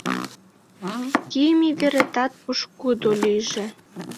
Кийыме веретат пушкыдо лийже.